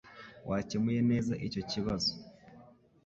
Wakemuye neza icyo kibazo.